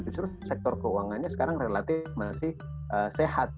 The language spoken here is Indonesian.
justru sektor keuangannya sekarang relatif masih sehat